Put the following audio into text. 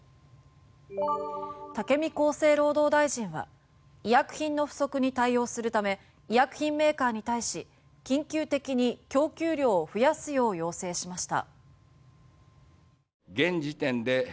武見厚生労働大臣は医薬品の不足に対応するため医薬品メーカーに対し緊急的に供給量を増やすよう要請しました。